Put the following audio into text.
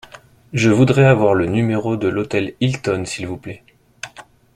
Je voudrais avoir le numéro de l’hôtel Hilton, s’il vous plait.